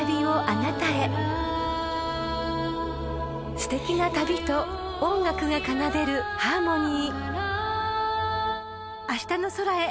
［すてきな旅と音楽が奏でるハーモニー］